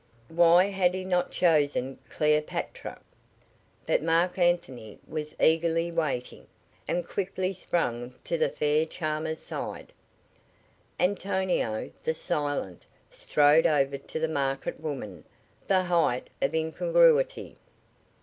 Why had he not chosen Cleopatra? But Marc Anthony was eagerly waiting, and quickly sprang to the fair charmer's side. Antonio, the silent, strode over to the market woman the height of incongruity.